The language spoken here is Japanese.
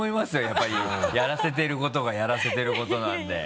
やっぱりやらせてることがやらせてることなんで。